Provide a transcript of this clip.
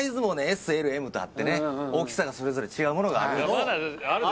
ＳＬＭとあってね大きさがそれぞれ違う物があるんです